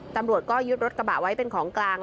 ตำรวจก็ยึดรถกระบะไว้เป็นของกลาง